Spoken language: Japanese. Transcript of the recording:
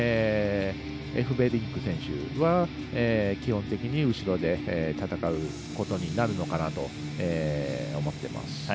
エフベリンク選手は基本的に後ろで戦うことになるのかなと思っています。